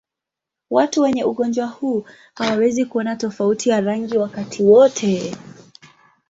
Watu wenye ugonjwa huu hawawezi kuona tofauti ya rangi wakati wote.